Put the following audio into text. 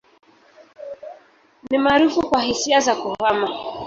Ni maarufu kwa hisia za kuhama.